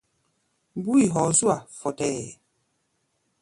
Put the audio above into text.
Mbúi hɔɔ zú-a fɔtɛɛ.